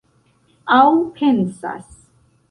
Aŭ pensas.